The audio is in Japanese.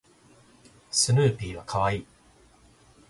スヌーピーは可愛い